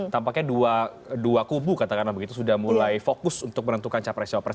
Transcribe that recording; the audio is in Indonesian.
tampaknya dua kubu katakanlah begitu sudah mulai fokus untuk menentukan capres capres